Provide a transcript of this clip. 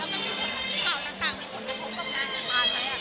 แล้วมันมีผิดข่าวต่างมีคนได้พบกับนางอย่างมากใช่ไหม